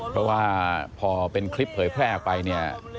เพราะว่าพอเป็นคลิปเผยแพร่ไป